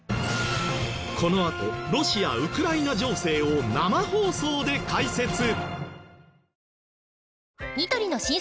このあとロシア・ウクライナ情勢を生放送で解説。